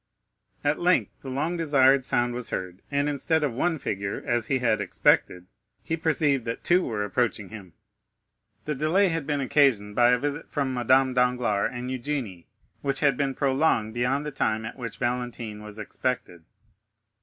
At length, the long desired sound was heard, and instead of one figure, as he had expected, he perceived that two were approaching him. The delay had been occasioned by a visit from Madame Danglars and Eugénie, which had been prolonged beyond the time at which Valentine was expected.